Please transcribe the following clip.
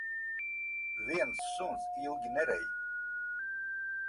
Viens suns ilgi nerej.